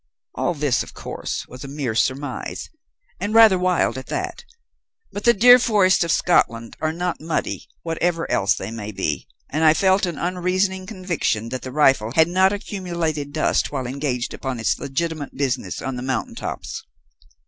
"All this, of course, was a mere surmise, and rather wild at that, but the deer forests of Scotland are not muddy, whatever else they may be, and I felt an unreasoning conviction that the rifle had not accumulated dust while engaged upon its legitimate business on the mountain tops.